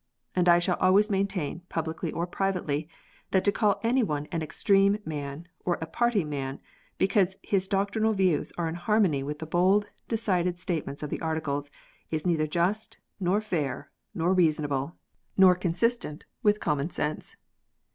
And I shall always maintain, publicly or privately, that to call any one an " extreme " man, or a " party " man, because his doctrinal views are in harmony with the bold, decided state ments of the Articles, is neither just, nor fair, nor reasonable, THE THIRTY NINE ARTICLES. *79 nor consistent with common sense.